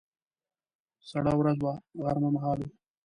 سړه ورځ وه، غرمه مهال و.